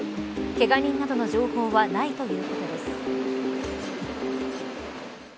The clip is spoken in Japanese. けが人などの情報はないということです。